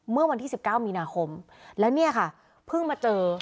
เมื่อวันที่๑๙มีนาคมแล้วเนี่ยค่ะเพิ่งมาเจอ